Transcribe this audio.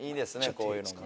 こういうのもね。